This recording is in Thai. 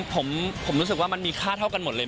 ผมรู้สึกว่ามันมีค่าเท่ากันหมดเลย